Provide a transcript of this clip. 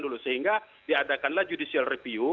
dulu sehingga diadakanlah judicial review